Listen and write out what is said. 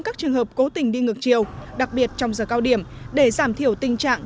các trường hợp cố tình đi ngược chiều đặc biệt trong giờ cao điểm để giảm thiểu tình trạng